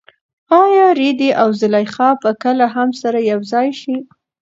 ایا رېدی او زلیخا به کله هم سره یوځای شي؟